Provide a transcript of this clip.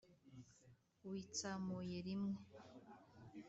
Witsamuye limwe